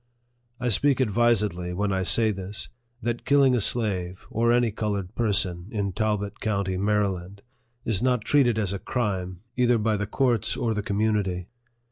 I speak advisedly when I say this, that killing a slave, or any colored person, in Talbot county, Mary land, is not treated as a crime, either by the courts or the community.